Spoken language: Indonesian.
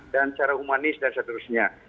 dan secara humanis dan seterusnya